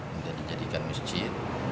menjadi jadikan masjid